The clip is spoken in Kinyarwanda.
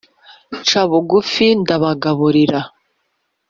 nca bugufi ndabagaburira.